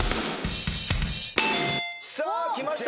さあきました